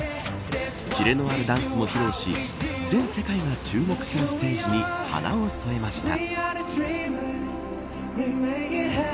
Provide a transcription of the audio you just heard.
キレのあるダンスを披露し全世界が注目するステージに花を添えました。